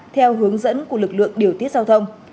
theo hướng dẫn của lực lượng điều tiết giao thông